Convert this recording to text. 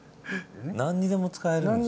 何にでも使えるんですね。